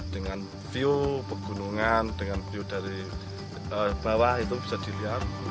dengan view pegunungan dengan view dari bawah itu bisa dilihat